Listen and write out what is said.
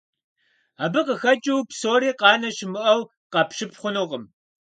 Абы къыхэкӀыу псори къанэ щымыӀэу къэпщып хъунукъым.